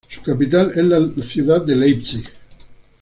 Su capital es la ciudad de Leipzig.